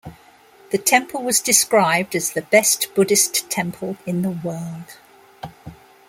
The temple was described as "the best Buddhist temple in the world".